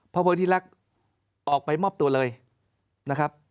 พระโพธิรักษ์ออกไปมอบตัวเลยนะครับ